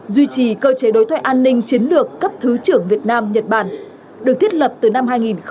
duy trì cơ chế đối thoại an ninh chiến lược cấp thứ trưởng việt nam nhật bản được thiết lập từ năm hai nghìn một mươi một